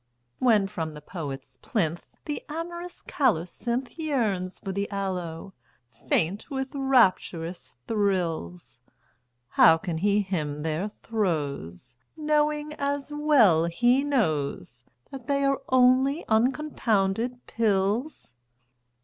When from the poet's plinth The amorous colocynth Yearns for the aloe, faint with rapturous thrills, How can he hymn their throes Knowing, as well he knows, That they are only uncompounded pills?